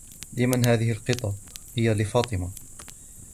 " لمن هذه القطط ؟"" هي لفاطمة ".